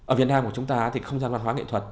ở việt nam của chúng ta thì không gian văn hóa nghệ thuật